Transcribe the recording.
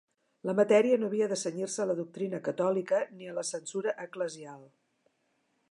La matèria no havia de cenyir-se a la doctrina catòlica ni a la censura eclesial.